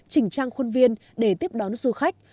chỉnh trang khuôn viên để tiếp đón du khách